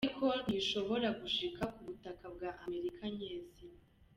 Ariko ntizishobora gushika ku butaka bwa Amerika nyezina.